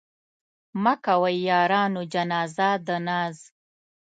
مه کوئ يارانو جنازه د ناز